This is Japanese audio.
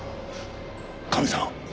カメさん。